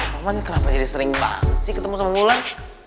papan kenapa jadi sering banget sih ketemu sama mulan